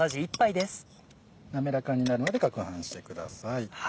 滑らかになるまでかくはんしてください。